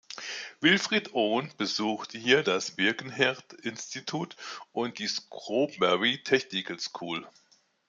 Wilfred Owen besuchte hier das Birkenhead Institute und die Shrewsbury Technical School.